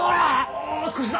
もう少しだ！